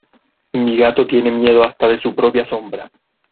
Mi gato tiene miedo hasta de su propia sombra.